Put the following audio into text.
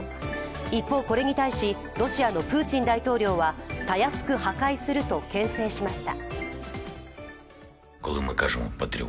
一方、これに対し、ロシアのプーチン大統領はたやすく破壊するとけん制しました。